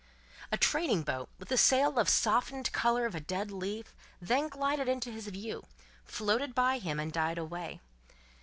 A trading boat, with a sail of the softened colour of a dead leaf, then glided into his view, floated by him, and died away.